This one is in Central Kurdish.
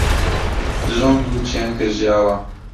زۆنگ و چێنکە ژیاوە